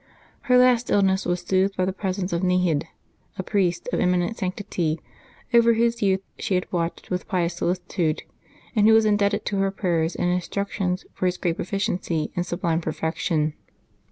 Her last illness was soothed by the presence of Xennidh, a priest of eminent sanctity, over whose youth she had watched with pious solicitude, and who was indebted to her prayers and instructions for his great proficiency in sublime per fection.